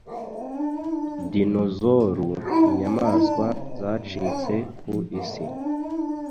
dinozoru inyamaswa zacitse ku isi